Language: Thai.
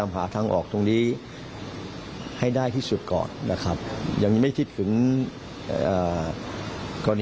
เรายังยืนยันตรงนี้ก่อน